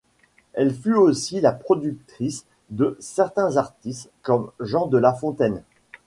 Elle fut aussi la protectrice de certains artistes comme Jean de La Fontaine.